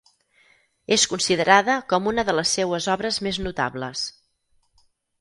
És considerada com una de les seues obres més notables.